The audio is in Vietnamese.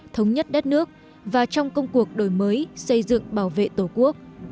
thống nhất đất nước và trong công cuộc đổi mới xây dựng bảo vệ tổ quốc